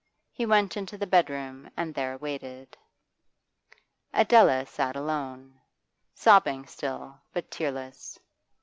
He went into the bedroom and there waited. Adela sat alone, sobbing still, but tearless.